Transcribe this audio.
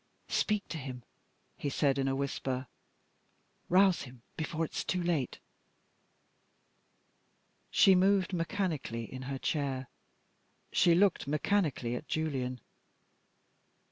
"Speak to him!" he said, in a whisper. "Rouse him, before it's too late!" She moved mechanically in her chair; she looked mechanically at Julian.